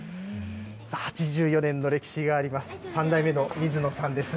さあ、８４年の歴史があります、３代目の水野さんです。